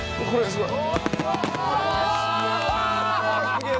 すげえ。